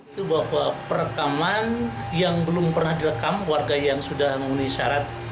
itu bahwa perekaman yang belum pernah direkam warga yang sudah memenuhi syarat